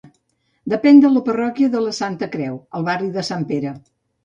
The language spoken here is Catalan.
Depèn de la parròquia de la Santa Creu, al barri de Sant Pere.